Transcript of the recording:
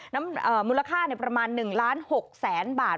น้ำเอ่อมูลค่าเนี่ยประมาณหนึ่งล้านหกแสนบาท